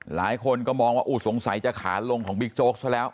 หลายคนก็มองว่าสงสัยจะขาลงของบิ๊กโจ๊กซะแล้ว